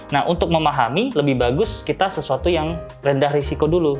nah untuk memahami lebih bagus kita sesuatu yang rendah risiko dulu